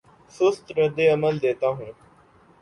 سست رد عمل دیتا ہوں